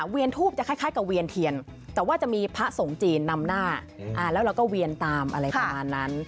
ทูปจะคล้ายกับเวียนเทียนแต่ว่าจะมีพระสงฆ์จีนนำหน้าแล้วเราก็เวียนตามอะไรประมาณนั้น